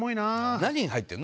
何が入ってるの？